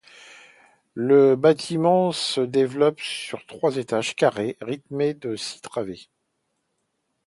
Le bâtiment se développe sur trois étages carrés, rythmé par six travées.